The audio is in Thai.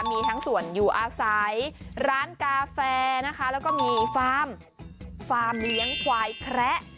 มีทั้งส่วนอยู่อาศัยร้านกาแฟค่ะแล้วก็มีควายแคระ